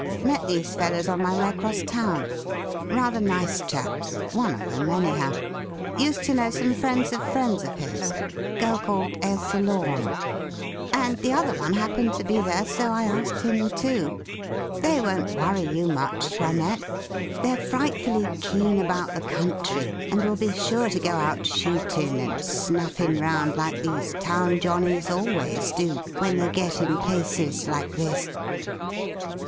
Met these fellows on my way across town. Rather nice chaps one of 'em, anyhow. Used to know some friends of friends of his, girl called Ailsa Lorne. And the other one happened to be there so I asked him, too. They won't worry you much, 'Toinette. They're frightfully keen about the country, and will be sure to go out shootin' and snuffin' round like these town johnnies always do when they get in places like this....